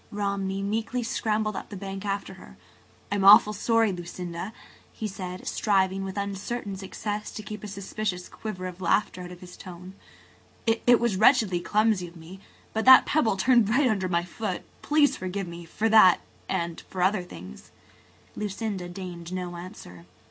Romney meekly scrambled up the bank after her. "I'm awfully sorry, Lucinda," he said, striving with uncertain success to keep a suspicious quiver [Page 153] of laughter out of his tone. "It was wretchedly clumsy of me, but that pebble turned right under my foot. Please forgive me–for that–and for other things." Lucinda deigned no answer.